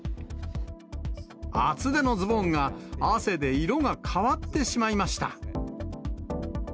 厚手のズボンが汗で色が変わってしまいました。